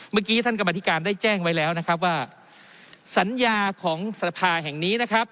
เมื่อกี้ท่านกรรมธิการได้แจ้งไว้แล้วนะครับว่าสัญญาของสภาแห่งนี้นะครับ